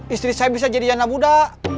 istri saya bisa jadi anak muda